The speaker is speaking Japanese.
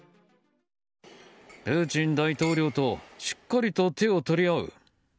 プーチン大統領としっかり手を取り合う。